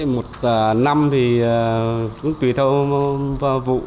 một năm thì cũng tùy theo vụ